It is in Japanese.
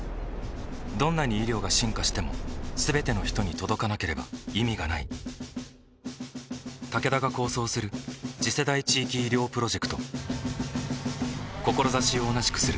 どんなに医療が進化しても全ての人に届かなければ意味がないタケダが構想する次世代地域医療プロジェクト志を同じくするあらゆるパートナーと手を組んで実用化に挑む